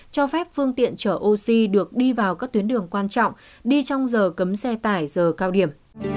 cho phép phương tiện chở oxy được đi vào các tuyến đường quan trọng đi trong giờ cấm xe tải giờ cao điểm